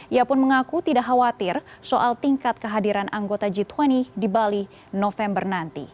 ia pun mengaku tidak khawatir soal tingkat kehadiran anggota g dua puluh di bali november nanti